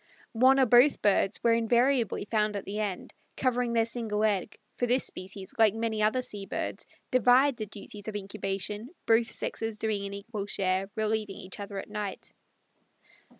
One or both birds were invariably found at the end, covering their single egg, for this species, like many other sea birds, divide the duties of incubation, both sexes doing an equal share, relieving each other at night.